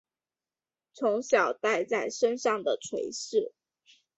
从小带在身上的垂饰